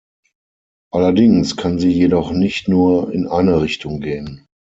Allerdings kann sie jedoch nicht nur in eine Richtung gehen.